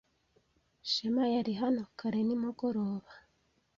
Shema yari hano kare nimugoroba.